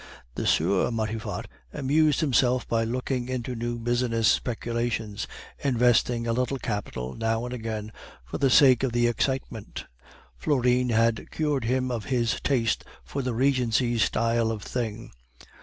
The Sieur Matifat amused himself by looking into new business speculations, investing a little capital now and again for the sake of the excitement. Florine had cured him of his taste for the Regency style of thing.